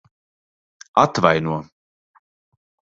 Atvaino.